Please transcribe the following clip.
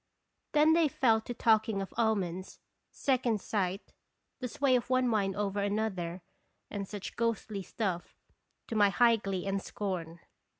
Then they fell to talking of omens, second sight, the sway of one mind over another, and such ghostly stuff, to my high glee and scorn.